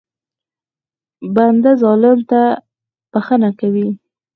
بنده ظالم ته بښنه کوي.